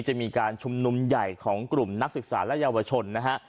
จะมีการชุมนุมใหญ่ของกลุ่มนักศึกษาและเยาวชนนะฮะ